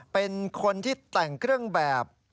เป็นคนที่แต่งเครื่องแบบ